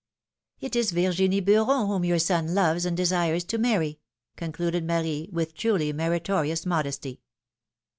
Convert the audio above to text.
^^ "It is Virginie Beuron whom your son loves and desires to marry,^^ concluded Marie, with truly meritori ous modesty.